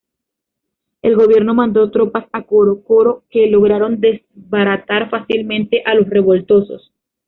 El gobierno mando tropas a Coro Coro que lograron desbaratar fácilmente a los revoltosos.